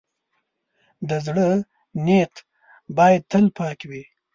د زړۀ نیت باید تل پاک وي.